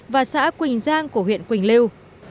và xã quỳnh giang của huyện quỳnh lưu